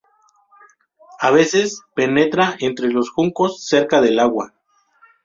A veces, penetra entre los juncos cerca del agua.